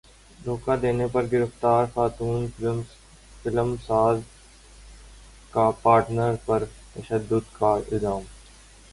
دھوکا دینے پر گرفتار خاتون فلم ساز کا پارٹنر پر تشدد کا الزام